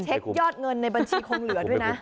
ยอดเงินในบัญชีคงเหลือด้วยนะ